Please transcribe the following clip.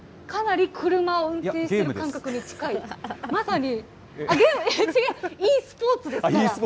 かなり車を運転してる感覚に近い、まさに、あっ、ゲーム、ｅスポーツですから。